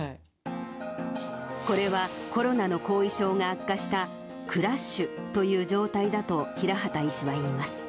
これはコロナの後遺症が悪化したクラッシュという状態だと平畑医師は言います。